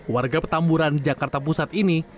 warga petamburan jakarta pusat ini